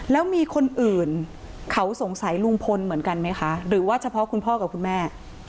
แล้วมีคนอื่นเขาสงสัยลุงพลเหมือนกันไหมคะหรือว่าเฉพาะคุณพ่อกับคุณแม่